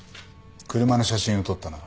車の写真を撮ったな。